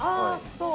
そう。